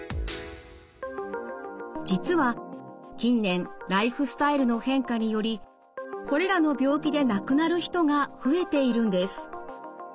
実は近年ライフスタイルの変化によりこれらの病気で亡くなる人が増えているんです。